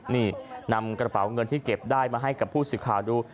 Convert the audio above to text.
นี่นำกระเป๋าเงินที่เก็บได้มาให้กับผู้สื่อข่าวดู